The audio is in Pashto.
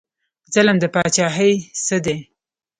ظلم د پاچاهۍ څه دی؟